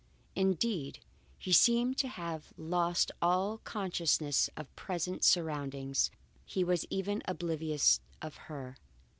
Indeed, he seemed to have lost all consciousness of present surroundings; he was even oblivious of her.